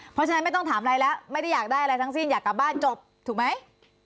เพราะฉะนั้นไม่ต้องถามอะไรแล้วไม่ได้อยากได้อะไรทั้งสิ้นอยากกลับบ้านจบถูกไหม